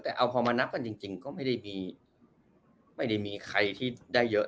แต่เอาพอมานับกันจริงก็ไม่ได้มีใครที่ได้เยอะ